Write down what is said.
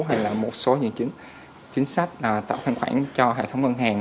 hay là một số những chính sách tạo thanh khoản cho hệ thống ngân hàng